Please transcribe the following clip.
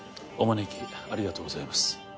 お招きありがとうございます。